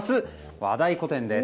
和太鼓店です。